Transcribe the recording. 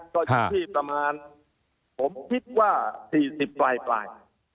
ก็อยู่ที่ประมาณผมคิดว่า๔๐ปลาย